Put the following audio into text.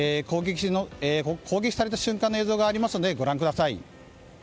攻撃された瞬間の映像がありますのでご覧ください。